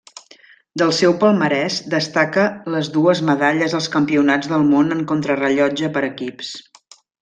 Del seu palmarès destaca les dues medalles als Campionats del món en contrarellotge per equips.